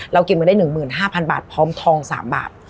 เราเก็บกันได้๑๕๐๐๐บาทพร้อมทอง๓บาท